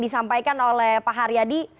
disampaikan oleh pak ariyadi